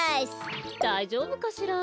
だいじょうぶかしら？